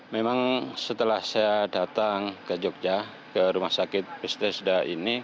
memang setelah saya datang ke jogja ke rumah sakit pstesuda ini